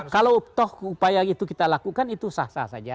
kalau toh upaya itu kita lakukan itu sah sah saja